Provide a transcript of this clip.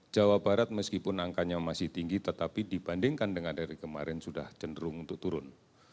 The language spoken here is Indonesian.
jawa barat meskipun angkanya masih tinggi tetapi dibandingkan dengan dari kemarin sudah cenderung untuk turun